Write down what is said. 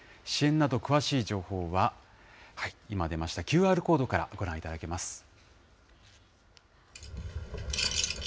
支援など、詳しい情報は、今出ました、ＱＲコードからご覧いただけます。